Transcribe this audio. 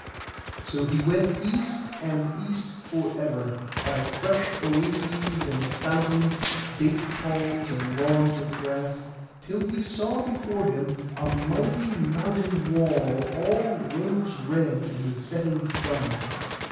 So he went east, and east for ever, by fresh oases and fountains, date palms, and lawns of grass, till he saw before him a mighty mountain wall, all rose red in the setting sun.